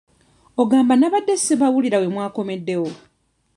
Ogamba nnabadde sibawulira we mwakomeddewo?